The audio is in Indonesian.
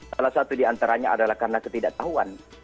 salah satu diantaranya adalah karena ketidaktahuan